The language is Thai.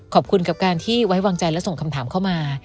ขอบคุณกับการที่ไว้วางใจและส่งคำถามเข้ามา